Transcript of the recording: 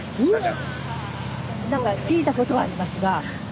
何か聞いたことはありますが全然。